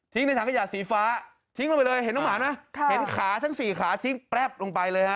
เห็นต้องหมาไหมค่ะเห็นขาทั้งสี่ขาทิ้งแป๊บลงไปเลยฮะ